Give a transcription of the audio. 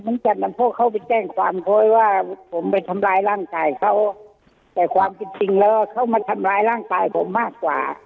ลุงจันทร์ทำพวกเขาไปแจ้งความโพยว่าผมไปทำร้ายร่างกายเขาแต่ความจริงจริงแล้วเขามาทำร้ายร่างกายผมมากกว่า